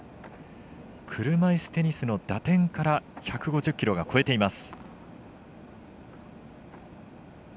車いすテニスの打点から１５０キロが超えています。